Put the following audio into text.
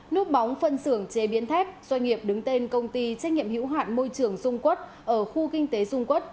nút bóng phân xưởng chế biến thép doanh nghiệp đứng tên công ty trách nhiệm hữu hạn môi trường dung quất ở khu kinh tế dung quốc